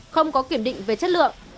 không có kiểm định về chất lượng